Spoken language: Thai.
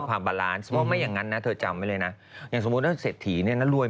เพราะมันเงินได้มาแบบรอย